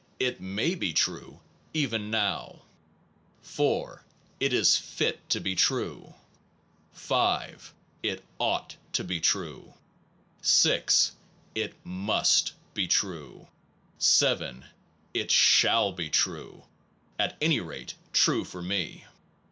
It may be true, even now; 4. It is fit to be true; 5. It ought to be true; 6. It must be true; 7. It shall be true, at any rate true for me.